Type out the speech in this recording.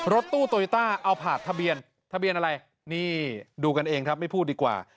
รถตู้โตโยต้าเอาผาดทะเบียนทะเบียนอะไรนี่ดูกันเองครับไม่พูดดีกว่า